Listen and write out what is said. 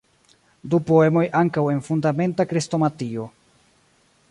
Du poemoj ankaŭ en "Fundamenta Krestomatio".